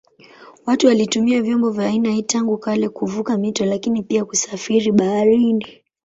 Watu walitumia vyombo vya aina hii tangu kale kuvuka mito lakini pia kusafiri baharini.